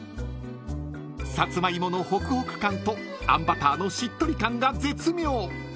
［サツマイモのほくほく感とあんバターのしっとり感が絶妙］